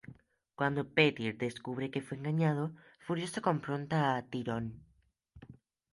Cuando Petyr descubre que fue engañado, furioso confronta a Tyrion.